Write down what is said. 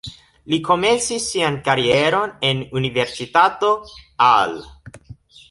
Li komencis sian karieron en Universitato Al.